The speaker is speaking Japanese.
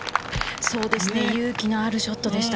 勇気のあるショットでした。